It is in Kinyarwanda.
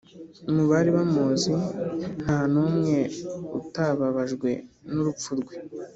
mu bari bamuzi nta n` umweutababajwe nurupfu rwe